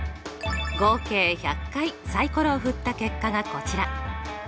合計１００回サイコロを振った結果がこちら。